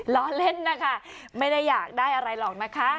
ล้อเล่นนะคะไม่ได้อยากได้อะไรหรอกนะคะ